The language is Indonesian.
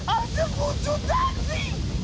asyik bucutan sih